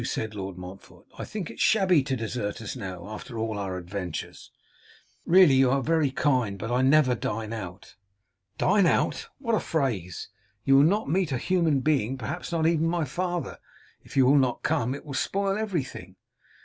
said Lord Montfort: 'I think it shabby to desert us now, after all our adventures.' 'Really you are very kind, but I never dine out.' 'Dine out! What a phrase! You will not meet a human being; perhaps not even my father. If you will not come, it will spoil everything.